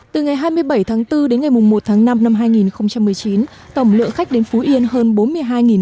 từ ngày hai mươi bảy tháng bốn đến ngày một tháng năm năm hai nghìn một mươi chín tổng lượng khách đến phú yên hơn bốn mươi hai